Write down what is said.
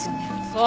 そう。